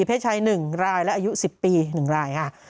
เพศชาย๑รายและอายุ๑๐ปี๑รายค่ะ